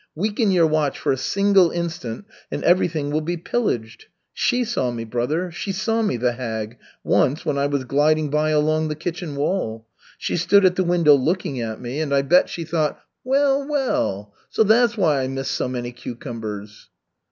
Weaken your watch for a single instant, and everything will be pillaged. She saw me, brother, she saw me, the hag, once, when I was gliding by along the kitchen wall. She stood at the window looking at me and I bet she thought: 'Well, well, so that's why I miss so many cucumbers.'"